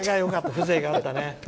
風情があった。